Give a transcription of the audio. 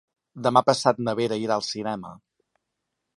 Demà passat na Vera irà al cinema.